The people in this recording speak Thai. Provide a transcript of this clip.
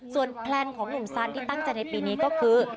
ส่วนแพลนของหนุ่มสันที่ตั้งใจในปีนี้ก็คือ